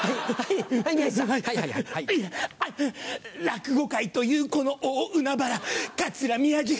落語界というこの大海原桂宮治